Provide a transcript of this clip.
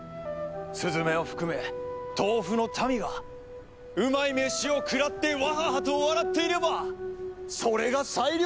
スズメを含めトウフの民がうまい飯を食らってワハハと笑っていればそれが最良！